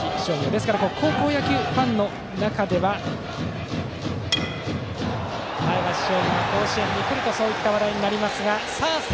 ですから高校野球ファンの間では前橋商業が甲子園にくるとそういう話題になります。